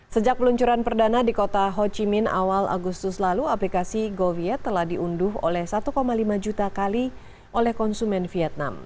sejak peluncuran perdana di kota ho chi min awal agustus lalu aplikasi goviet telah diunduh oleh satu lima juta kali oleh konsumen vietnam